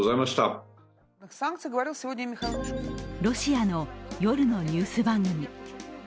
ロシアの夜のニュース番組。